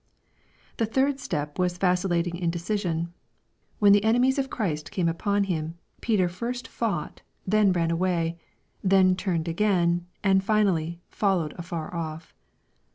— The third step was vacillating indecision. When the enemies of Christ came upon Him, Peter first fought, then ran away, then turned again, and finally "followed afar oflf."